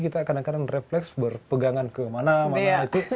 kita kadang kadang refleks berpegangan ke mana mana